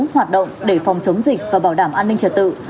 hoạt động để phòng chống dịch và bảo đảm an ninh trật tự